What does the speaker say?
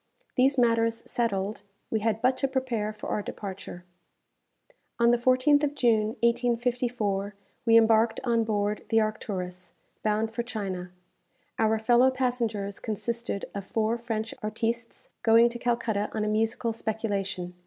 These matters settled, we had but to prepare for our departure. On the 14th of June, 1854, we embarked on board the "Arcturus," bound for China. Our fellow passengers consisted of four French artistes, going to Calcutta on a musical speculation.